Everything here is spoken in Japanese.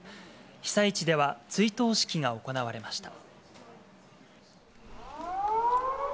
被災地では、追悼式が行われました。